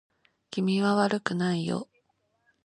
君は悪くないよ